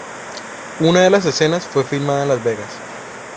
Una de las escenas fue filmada en Las Vegas.